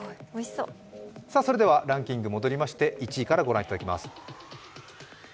ランキングに戻りまして１位からご覧いただきます。